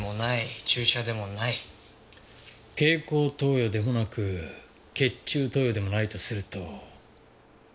経口投与でもなく血中投与でもないとすると。